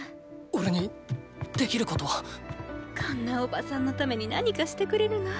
おれにできることは⁉こんなおばさんのために何かしてくれるの？